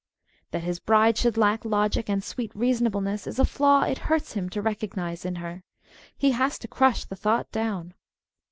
That his bride should lack logic and sweet reason ableness is a flaw it hurts him to recognise in her. He has to crush the thought down.